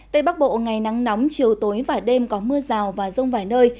tây bắc bộ ngày nắng nóng chiều tối và đêm có mưa rào và rông vài nơi